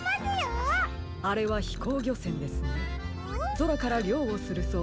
そらからりょうをするそうです。